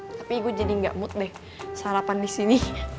tapi gue jadi gak mood deh sarapan disini